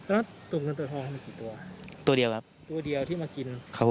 แล้วตัวเงินตัวทองมันกี่ตัว